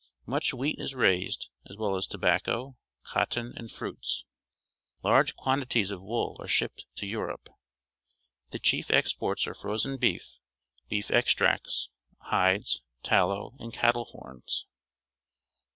Much wheat is raised, as well as tobacco, cotton, and fruits. Large quantities of wool are shipped to Europe. The chief exports are frozen beef, beef extracts, hides, tallow, and cattle horns.